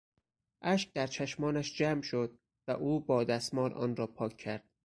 اشک در چشمانش جمع شد و او با دستمال آن را پاک کرد.